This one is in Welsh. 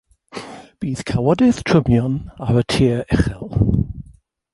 Bydd cawodydd trymion ar y tir uchel.